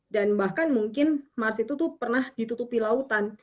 dan bahkan mungkin mars itu pernah ditutupi lautan